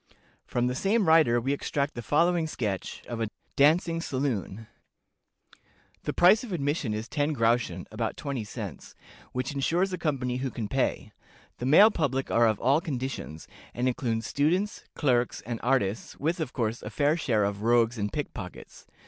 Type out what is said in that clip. From the same writer we extract the following sketch of a DANCING SALOON. "The price of admission is ten groschen (about twenty cents), which insures a company who can pay. The male public are of all conditions, and include students, clerks, and artists, with, of course, a fair share of rogues and pickpockets.